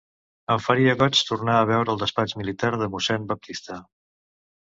Em faria goig tornar a veure el despatx militar de mossèn Baptista.